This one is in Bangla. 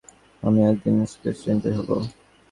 আমিও একদিন স্পেস রেঞ্জার হবো।